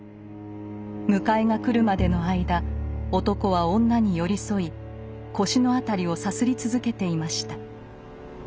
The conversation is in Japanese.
迎えが来るまでの間男は女に寄り添い腰の辺りをさすり続けていました。